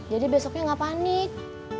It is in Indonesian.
jadi besoknya gak panik